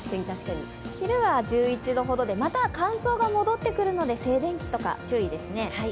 昼は１１度ほどでまた乾燥が戻ってくるので静電気とか注意ですね。